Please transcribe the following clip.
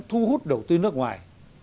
thu hút đầu tư nước ngoài